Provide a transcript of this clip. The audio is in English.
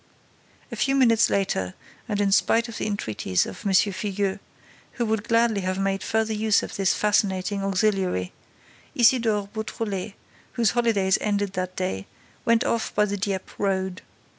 A few minutes later and in spite of the entreaties of M. Filleul, who would gladly have made further use of this fascinating auxiliary, Isidore Beautrelet, whose holidays ended that day, went off by the Dieppe Road.